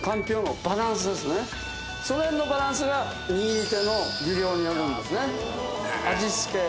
その辺のバランスが握り手の技量によるんですね。